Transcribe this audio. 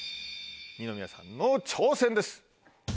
二宮さんの挑戦です。